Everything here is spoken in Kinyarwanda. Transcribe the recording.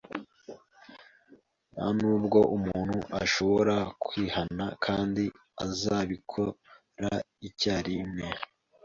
Ntanubwo umuntu ashobora kwihana kandi azabikora icyarimwe